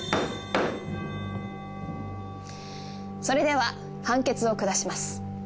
それでは判決を下します。